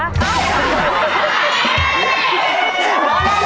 อ้าว